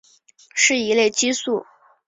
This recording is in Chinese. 是一类激素。